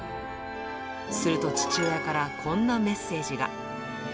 すると父親からこんなメッセージが。